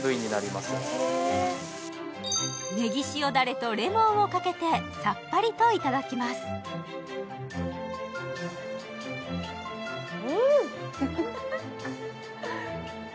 ねぎ塩ダレとレモンをかけてさっぱりといただきますうん！